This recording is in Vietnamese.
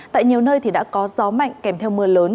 tại nhiều nơi đã có gió mạnh kèm theo mưa lớn